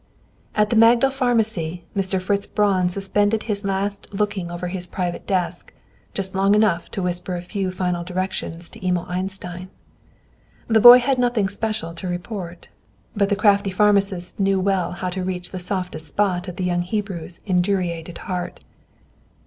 At the Magdal Pharmacy, Mr. Fritz Braun suspended his last looking over his private desk, just long enough to whisper a few final directions to Emil Einstein. The boy had nothing special to report. But the crafty pharmacist well knew how to reach the softest spot of the young Hebrew's indurated heart.